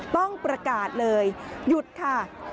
ต้องประกาศเลยหยุดค่ะ